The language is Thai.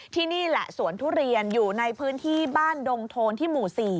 ที่นี่แหละสวนทุเรียนอยู่ในพื้นที่บ้านดงโทนที่หมู่๔